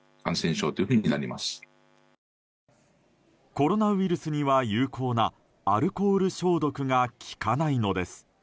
コロナウイルスには有効なアルコール消毒が効かないのです。